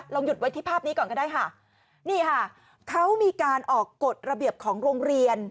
หยุดไว้ที่ภาพนี้ก่อนก็ได้ค่ะนี่ค่ะเขามีการออกกฎระเบียบของโรงเรียน